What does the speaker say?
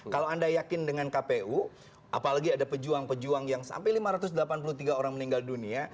kalau anda yakin dengan kpu apalagi ada pejuang pejuang yang sampai lima ratus delapan puluh tiga orang meninggal dunia